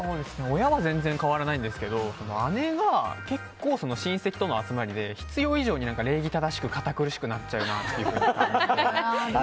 親は全然変わらないんですけど姉が結構親戚との集まりで必要以上に礼儀正しく堅苦しくなっちゃう。